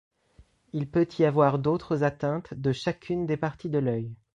Il peut y avoir d'autres atteintes de chacune des parties de l'œil.